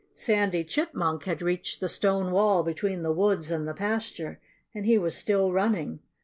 Sandy Chipmunk had reached the stone wall between the woods and the pasture. And he was still running.